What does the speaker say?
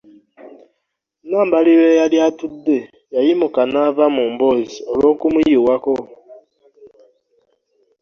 Nambalirwa eyali atudde yayimuka n'ava mu mboozi olw'okumuyiwako